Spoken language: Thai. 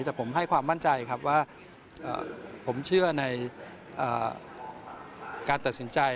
แต่ผมให้ความมั่นใจครับว่าผมเชื่อในการตัดสินใจ